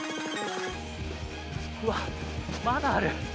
うわ、まだある。